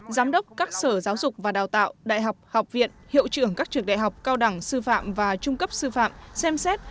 giám đốc các sở giáo dục và đào tạo đại học học viện hiệu trưởng các trường đại học cao đẳng sư phạm và trung cấp sư phạm xem xét